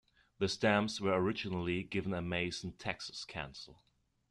The stamps were originally given a Mason, Texas cancel.